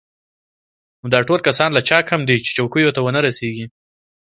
نو دا ټول کسان له چا کم دي چې چوکیو ته ونه رسېږي.